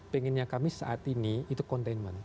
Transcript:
pengennya kami saat ini itu containment